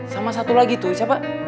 sama satu lagi tuh siapa